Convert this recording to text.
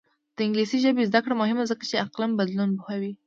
د انګلیسي ژبې زده کړه مهمه ده ځکه چې اقلیم بدلون پوهوي.